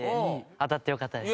当たってよかったです。